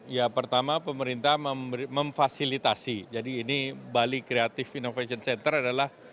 ya pertama pemerintah memfasilitasi jadi ini bali creative innovation center adalah